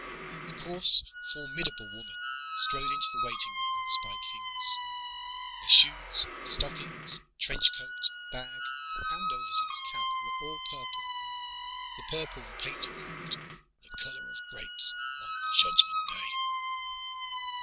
A coarse, formidable woman strode into the waiting room on spike heels. Her shoes, stockings, trench coat, bag and overseas cap were all purple, the purple the painter called "the color of grapes on Judgment Day."